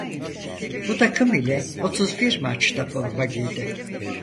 Bu takım ile otuz bir maçta forma giydi.